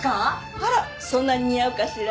あらそんなに似合うかしら？